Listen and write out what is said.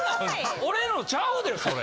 俺のちゃうでそれ。